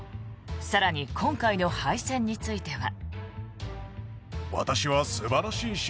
更に今回の敗戦については。